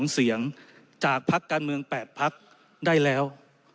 ๓๑๒เสียงจากภักดิ์การเมือง๘ภักดิ์ได้แล้ว